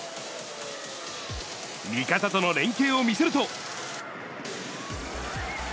味方との連係を見せると。